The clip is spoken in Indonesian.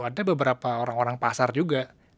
ada beberapa orang orang pasar juga